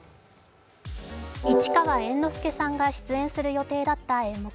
市川猿之助さんが出演する予定だった演目。